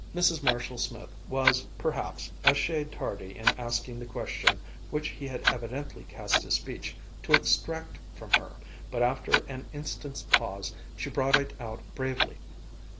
Mrs. Marshall Smith was, perhaps, a shade tardy in asking the question which he had evidently cast his speech to extract from her, but after an instant's pause she brought it out bravely.